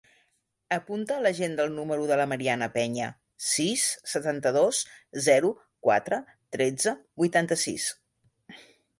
Apunta a l'agenda el número de la Mariana Peña: sis, setanta-dos, zero, quatre, tretze, vuitanta-sis.